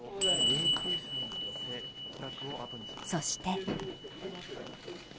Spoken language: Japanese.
そして。